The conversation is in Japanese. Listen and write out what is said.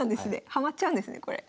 ハマっちゃうんですねこれ。